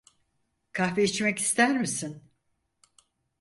Kahve içmek ister misin?